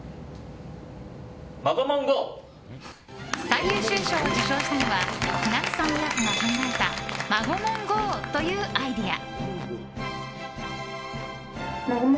最優秀賞を受賞したのは船津さん親子が考えたまごもん‐ＧＯというアイデア。